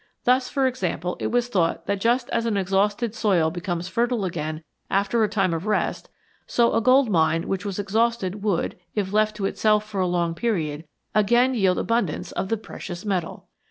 Thus, for example, it was thought that just as an exhausted soil becomes fertile again after a time of rest, so a gold mine which was exhausted would, if left to itself for a long period, again yield abundance of the precious metal